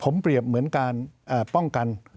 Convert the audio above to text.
ผมเปรียบเหมือนการป้องกัน